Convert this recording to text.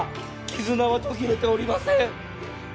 絆は途切れておりません